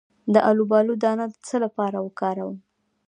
د الوبالو دانه د څه لپاره وکاروم؟